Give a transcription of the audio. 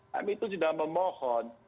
kami itu sudah memohon